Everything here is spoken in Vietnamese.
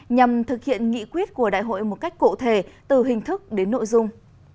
nhằm thực hiện nghị quyết của đại hội một cách cụ thể từ hình thức đến nội dung